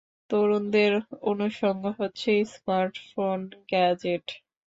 তরুণদের অনুষঙ্গ হচ্ছে স্মার্টফোন, গ্যাজেট।